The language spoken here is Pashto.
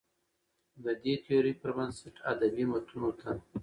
د دې تيورۍ پر بنسټ ادبي متونو ته